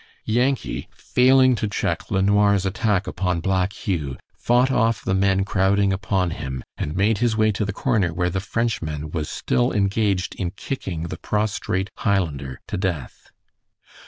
Yankee, failing to check LeNoir's attack upon Black Hugh, fought off the men crowding upon him, and made his way to the corner where the Frenchman was still engaged in kicking the prostrate Highlander to death.